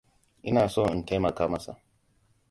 Ina so in taimaka masa.